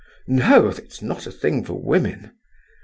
"No, it's not a thing for women."